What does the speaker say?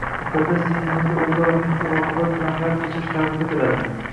Muqaddas dinimizda o‘zaro mehru oqibat bilan hayot kechirish targ‘ib etiladi